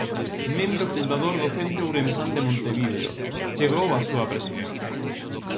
Membro fundador do Centro Ourensán de Montevideo, chegou á súa presidencia.